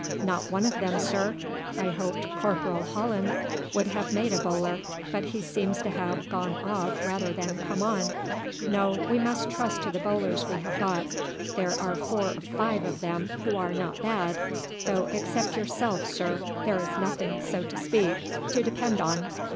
"Not one of them, sir. I hoped Corporal Holland would have made a bowler, but he seems to have gone off rather than come on. No; we must trust to the bowlers we have got. There are four or five of them who are not bad, though except yourself, sir, there is nothing, so to speak, to depend on."